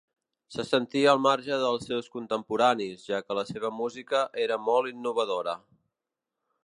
Se sentia al marge dels seus contemporanis, ja que la seva música era molt innovadora.